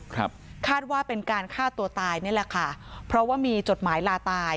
ครับคาดว่าเป็นการฆ่าตัวตายนี่แหละค่ะเพราะว่ามีจดหมายลาตาย